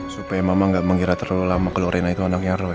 supaya mama gak mengira terlalu lama kalau rena itu anaknya roy